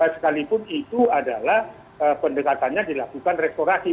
sekalipun itu adalah pendekatannya dilakukan restorasi